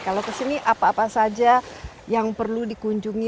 kalau ke sini apa apa saja yang perlu dikunjungi